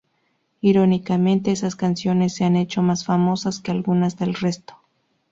Irónicamente, esas canciones se han hecho más famosas que algunas del resto".